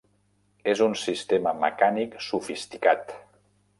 És un sistema mecànic sofisticat!